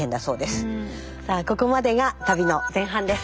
さあここまでが旅の前半です。